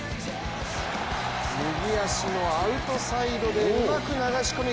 右足のアウトサイドでうまく流し込み